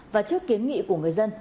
và trước kiến nghị của người dân